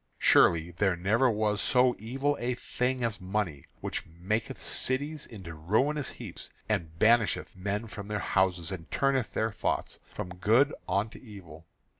Surely there never was so evil a thing as money, which maketh cities into ruinous heaps, and banisheth men from their houses, and turneth their thoughts from good unto evil.